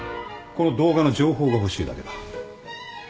この動画の情報が欲しいだけだ。